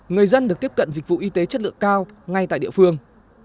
người dân được tiếp cận dịch vụ y tế chất lượng cao ngay tại địa phương